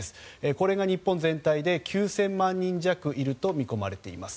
これが日本全体で９０００万人弱いると見込まれています。